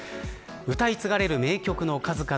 歌い継がれる名曲の数々。